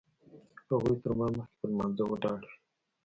هغوی تر ما مخکې په لمانځه ولاړ وي.